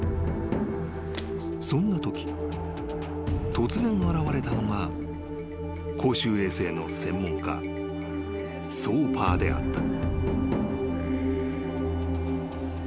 ［そんなとき突然現れたのが公衆衛生の専門家ソーパーであった］